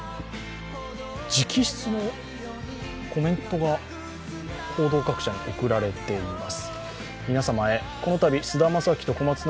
直筆のコメントが報道各社に送られています。